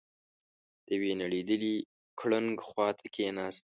د يوې نړېدلې ګړنګ خواته کېناست.